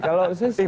kalau saya sih